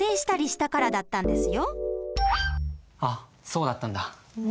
そうだったんだ。